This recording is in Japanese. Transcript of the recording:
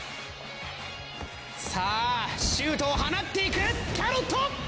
さあシュートを放っていくキャロット！